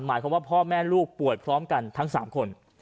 หมายความว่าพ่อแม่ลูกป่วยพร้อมกันทั้ง๓คน